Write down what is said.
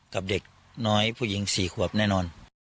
กับเด็กน้อยผู้หญิง๔ขวบแน่นอน